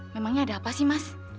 memangnya ada apa sih mas